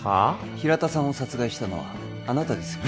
平田さんを殺害したのはあなたですよね？